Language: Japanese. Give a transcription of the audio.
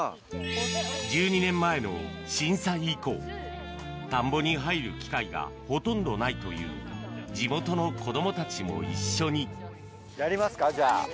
１２年前の震災以降田んぼに入る機会がほとんどないという地元の子供たちも一緒にやりますかじゃあ。